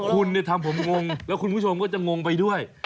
คุณทำผมงงแล้วคุณผู้ชมก็จะงงไปด้วย